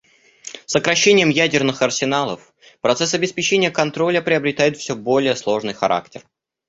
С сокращением ядерных арсеналов процесс обеспечения контроля приобретает все более сложный характер.